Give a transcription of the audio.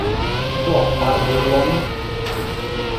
Do barbulon!